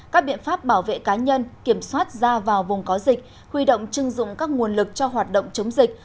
các biện pháp bảo vệ cá nhân kiểm soát ra vào vùng có dịch huy động chưng dụng các nguồn lực cho hoạt động chống dịch